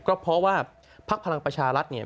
ก็เพราะว่าพักพลังประชารัฐเนี่ย